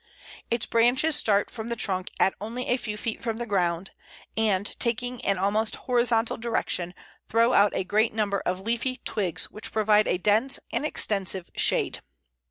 Its branches start from the trunk at only a few feet from the ground, and, taking an almost horizontal direction, throw out a great number of leafy twigs, which provide a dense and extensive shade.